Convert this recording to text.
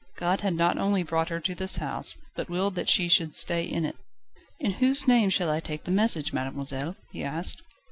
God had not only brought her to this house, but willed that she should stay in it. "In whose name shall I take the message, mademoiselle?" he asked.